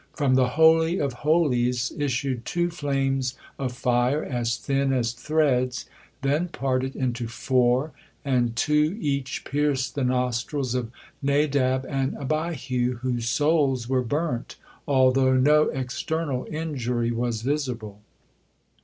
From the Holy of Holies issued two flames of fire, as thin as threads, then parted into four, and two each pierced the nostrils of Nadab and Abihu, whose souls were burnt, although no external injury was visible.